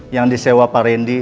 yang disewa pak randy